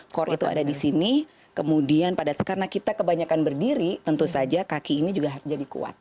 core itu ada di sini kemudian karena kita kebanyakan berdiri tentu saja kaki ini juga harus jadi kuat